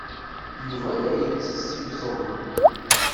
Yuba la ittess iẓem.